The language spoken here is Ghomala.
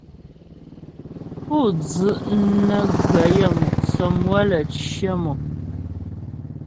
Pú dzu' nə́ gə yaə́mu' sɔmywə lə́ cyə mò.